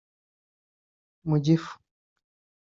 mu gifu